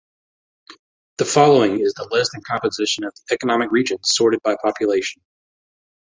The following is the list and composition of the economic regions, sorted by population.